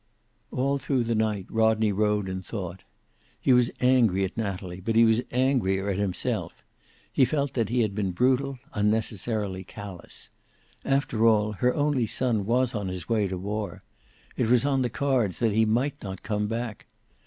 All through the night Rodney rode and thought. He was angry at Natalie, but he was angrier at himself. He felt that he had been brutal, unnecessarily callous. After all, her only son was on his way to war. It was on the cards that he might not come back.